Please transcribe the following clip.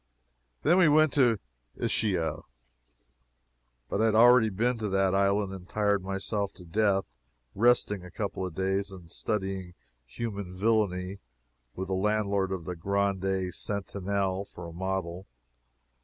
Then we went to Ischia, but I had already been to that island and tired myself to death "resting" a couple of days and studying human villainy, with the landlord of the Grande Sentinelle for a model.